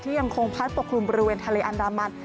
ยังคงพัดปกคลุมบริเวณทะเลอันดามัน